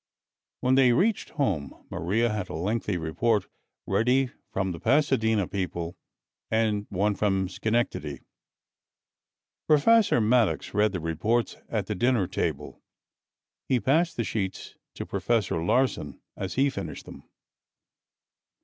When they reached home Maria had a lengthy report ready from the Pasadena people, and one from Schenectady. Professor Maddox read the reports at the dinner table. He passed the sheets to Professor Larsen as he finished them.